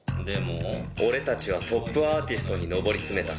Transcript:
俺たちはトップアーティストに上り詰めた。